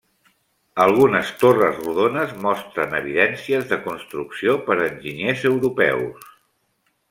Algunes torres rodones mostren evidències de construcció per enginyers europeus.